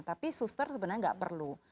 tapi suster sebenarnya nggak perlu